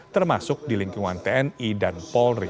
termasuk di lingkungan tni dan polri